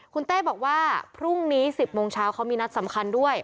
คุณเต้บอกว่าพรุ่งนี้๑๐โมงเช้าเขามีนัดสำคัญด้วย